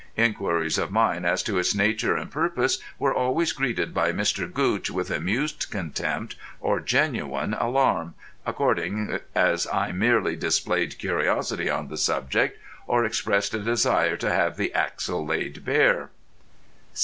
Inquiries of mine as to its nature and purpose were always greeted by Mr. Gootch with amused contempt or genuine alarm, according as I merely displayed curiosity on the subject, or expressed a desire to have the axle laid bare.